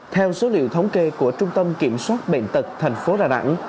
theo số liệu thống kê của trung tâm kiểm soát bệnh tật thành phố đà nẵng